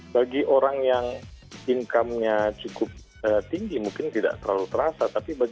bagi orang yang income nya cukup tinggi mungkin tidak terlalu terasa